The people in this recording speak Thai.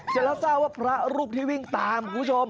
เจ้าแล้วเจ้าว่าพระรูปที่วิ่งตามคุณผู้ชม